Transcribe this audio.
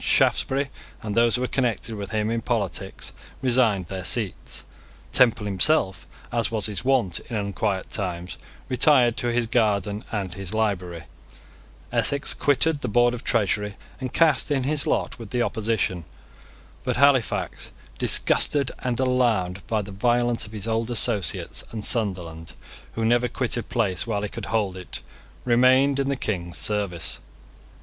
Shaftesbury, and those who were connected with him in politics resigned their seats. Temple himself, as was his wont in unquiet times, retired to his garden and his library. Essex quitted the board of Treasury, and cast in his lot with the opposition. But Halifax, disgusted and alarmed by the violence of his old associates, and Sunderland, who never quitted place while he could hold it, remained in the King's service.